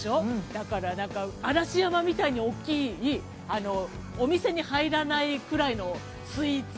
だから、なんか、嵐山みたいに大きい、お店に入らないくらいのスイーツ。